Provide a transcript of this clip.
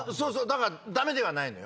だからダメではないのよ。